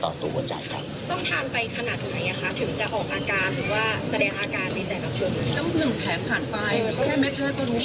ต้องทานไปขนาดไหนถึงจะออกอาการหรือว่าแสดงอาการในแต่ลักษณ์